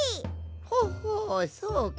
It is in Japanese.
ほほそうか。